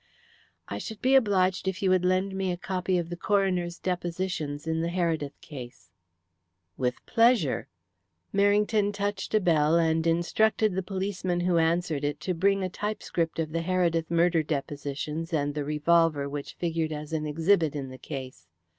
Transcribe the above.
"I should be obliged if you would lend me a copy of the coroner's depositions in the Heredith case." "With pleasure." Merrington touched a bell, and instructed the policeman who answered it to bring a typescript of the Heredith murder depositions and the revolver which figured as an exhibit in the case.